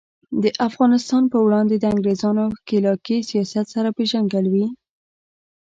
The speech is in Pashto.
د افغانستان په وړاندې د انګریزانو ښکیلاکي سیاست سره پیژندګلوي.